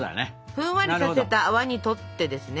ふんわりさせた泡にとってですね